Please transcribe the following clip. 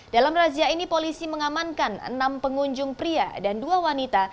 dalam razia ini polisi mengamankan enam pengunjung pria dan dua wanita